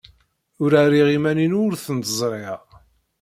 Ur rriɣ iman-inu ur tent-ẓriɣ.